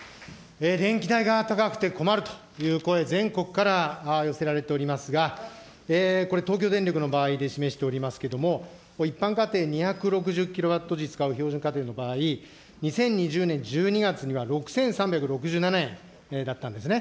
電気代が高くて困るという声、全国から寄せられておりますが、これ、東京電力の場合で示しておりますけれども、一般家庭、２６０キロワット時使う標準家庭の場合、１２月には６３６７円だったんですね。